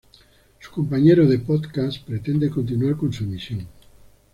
Su compañero de podcast pretende continuar con su emisión.